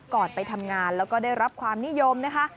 ไปทำงานแล้วก็ได้รับความนิยมนะคะ